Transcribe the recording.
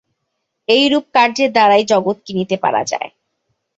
ঐরূপ কার্যের দ্বারাই জগৎ কিনিতে পারা যায়।